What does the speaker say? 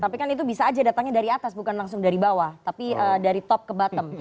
tapi kan itu bisa aja datangnya dari atas bukan langsung dari bawah tapi dari top ke bottom